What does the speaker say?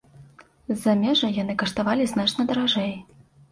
З замежжа яны каштавалі значна даражэй.